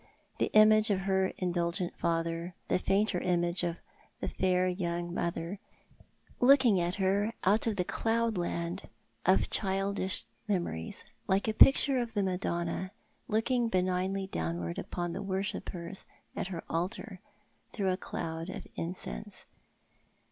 The image of her indulgent father, the fainter image of the fair young mother, looking at her out of the cloudland of childish memories like a picture of the Madonna looking benignly downward upon the worshippers at her altar, through a cloud of incense.